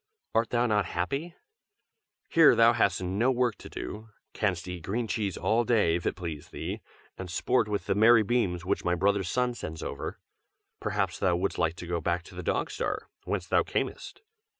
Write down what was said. Art thou not happy? here thou hast no work to do; canst eat green cheese all day, if it please thee, and sport with the merry beams which my brother Sun sends over. Perhaps thou wouldst like to go back to the Dog Star, whence thou camest.